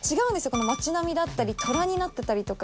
この街並みだったり虎になってたりとか。